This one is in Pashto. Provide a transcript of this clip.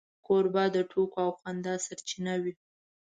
کوربه د ټوکو او خندا سرچینه وي.